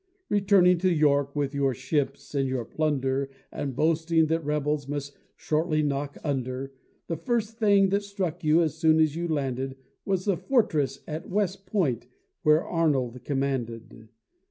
Returning to York with your ships and your plunder, And boasting that rebels must shortly knock under, The first thing that struck you as soon as you landed Was the fortress at West Point where Arnold commanded.